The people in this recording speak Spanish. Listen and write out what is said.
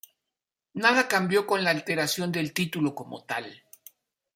Nada cambió con la alteración del título como tal.